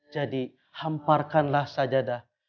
jadi hamparkanlah sajadah